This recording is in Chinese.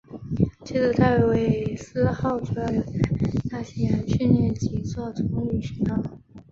接着戴维斯号主要留在大西洋训练及作中立巡航。